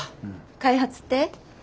開発って？